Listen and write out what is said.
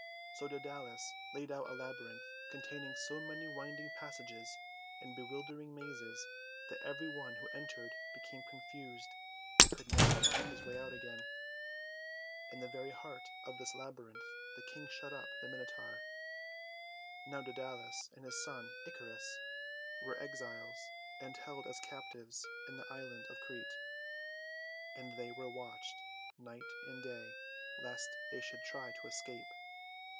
So Daedalus laid out a Labyrinth containing so many winding passages and bewildering mazes that every one who entered became confused and could never find his way out again. In the very heart of this Labyrinth, the King shut up the Minotaur. Now Daedalus and his young son, Icarus 250 THE WONDER GARDEN were exiles, and held as captives in the Island of Crete; and they were watched night and day lest they should try to escape.